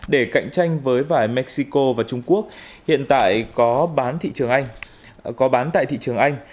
để cạnh tranh với vải mexico và trung quốc hiện tại có bán tại thị trường anh